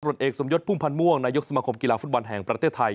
เอกสมยศพุ่มพันธ์ม่วงนายกสมคมกีฬาฟุตบอลแห่งประเทศไทย